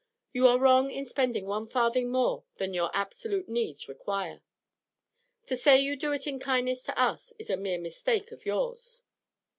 You are wrong in spending one farthing more than your absolute needs require; to say you do it in kindness to us is a mere mistake of yours.'